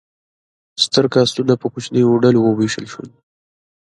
ستر کاستونه په کوچنیو ډلو وویشل شول.